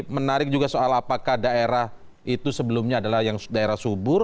menarik juga soal apakah daerah itu sebelumnya adalah yang daerah subur